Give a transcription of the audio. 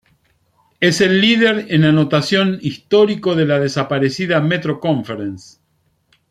Es el líder en anotación histórico de la desaparecida Metro Conference.